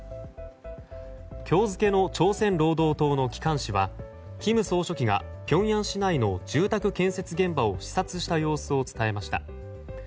今日付の朝鮮労働党の機関紙は金総書記がピョンヤン市内の住宅建設現場を視察した様子を伝えました。